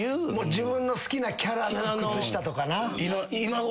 自分の好きなキャラの靴下とかな。